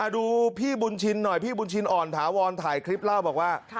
ดูพี่บุญชินหน่อยพี่บุญชินอ่อนถาวรถ่ายคลิปเล่าบอกว่า